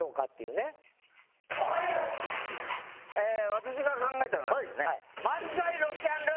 私が考えたのはですね。